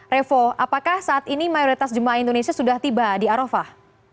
revo apakah saat ini mayoritas jemaah indonesia sudah tiba di arafah